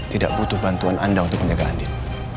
tidak butuh bantuan anda untuk menjaga andin